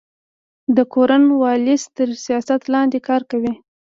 د کورن والیس تر ریاست لاندي کار کوي.